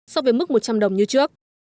so với mức một trăm linh đồng như trước